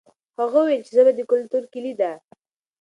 هغه وویل چې ژبه د کلتور کلي ده.